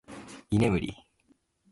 居眠り